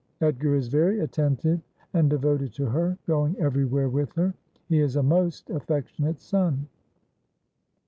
Edgar is very attentive and devoted to her, going everywhere with her. He is a most affectionate son.'